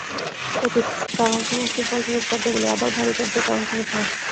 অতীত কারণসমষ্টির ফলস্বরূপ কার্যাবলী আবার ভাবী কার্যের কারণস্বরূপ হয়।